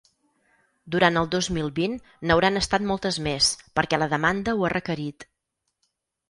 Durant el dos mil vint n’hauran estat moltes més, perquè la demanda ho ha requerit.